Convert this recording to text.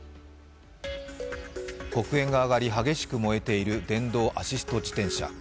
黒煙が上がり激しく燃えている電動アシスト自転車。